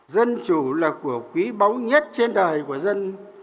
dân chủ là của quý báu nhất trên đời của dân